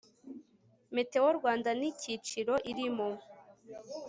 METEO RWANDA N ICYICIRO IRIMO